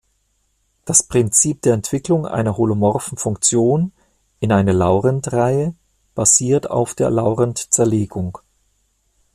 Das Prinzip der Entwicklung einer holomorphen Funktion in eine Laurent-Reihe basiert auf der Laurent-Zerlegung.